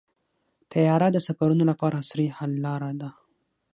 طیاره د سفرونو لپاره عصري حل لاره ده.